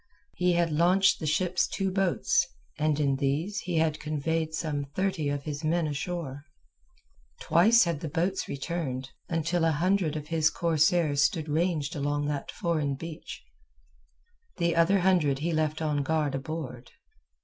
He had launched the ship's two boats, and in these he had conveyed some thirty of his men ashore. Twice had the boats returned, until a hundred of his corsairs stood ranged along that foreign beach. The other hundred he left on guard aboard.